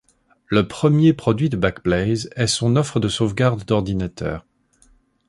Le premier produit de Backblaze est son offre de sauvegarde d’ordinateur.